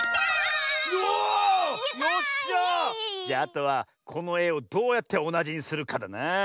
じゃあとはこのえをどうやっておなじにするかだな。